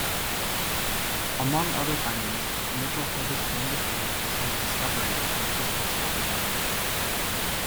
Among other findings, Mitchell-Hedges' claim to fame was his "discovery" of a "crystal skull".